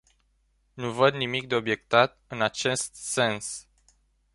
Nu văd nimic de obiectat în acest sens.